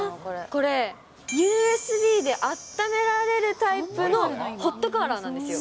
これ、ＵＳＢであっためられるタイプのホットカーラーなんですよ。